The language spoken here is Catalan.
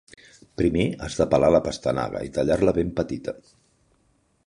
Primer has de pelar la pastanaga i tallar-la ben petita.